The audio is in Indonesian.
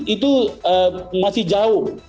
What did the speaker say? itu masih jauh